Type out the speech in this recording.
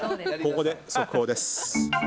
ここで速報です。